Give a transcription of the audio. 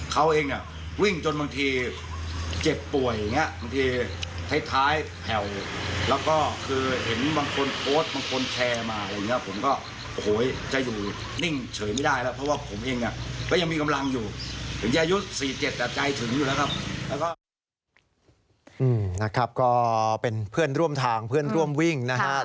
ก็เป็นเพื่อนร่วมทางเพื่อนร่วมวิ่งนะครับ